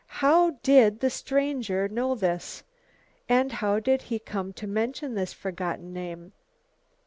How did the stranger know this? And how did he come to mention this forgotten name.